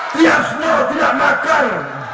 tiasno tidak makar